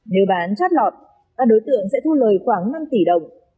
nếu bán chót lọt các đối tượng sẽ thu lời khoảng năm tỷ đồng